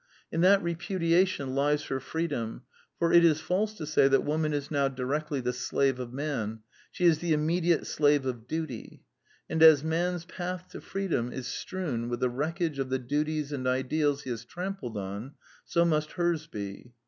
In that repudiation lies her free dom; for it is false to say that Woman is now directly the slave of Man: she is the immediate slave of duty; and as man's path to freedom is strewn with the wreckage of the duties and ideals he has trampled on, so must hers be.